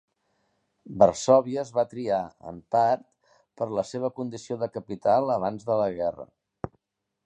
Varsòvia es va triar, en part, per la seva condició de capital abans de la guerra.